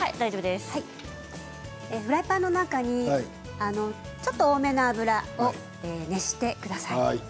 フライパンの中にちょっと多めの油を熱してください。